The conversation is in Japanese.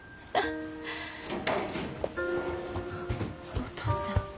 お父ちゃん。